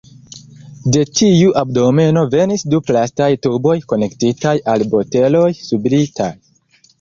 De tiu abdomeno venis du plastaj tuboj konektitaj al boteloj sublitaj.